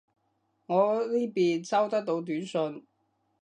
我呢邊收得到短信